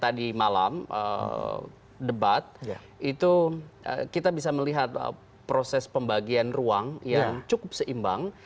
jadi misalnya tadi malam debat itu kita bisa melihat proses pembagian ruang yang cukup seimbang